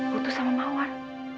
putus sama mawar